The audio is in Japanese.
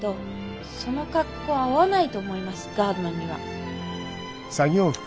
その格好合わないと思いますガードマンには。